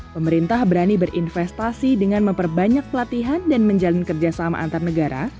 pemerintah berani berinvestasi dengan memperbanyak pelatihan dan menjalin kerja sama antar negara